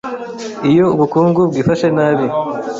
Iyo ubukungu bwifashe nabi,